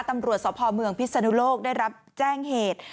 ตำรวจสพเมืองพิศนุโลกได้รับแจ้งเหตุ